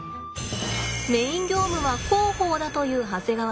メイン業務は広報だという長谷川さん